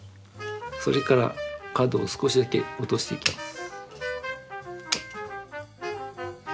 それから角を少しだけ落としていきます。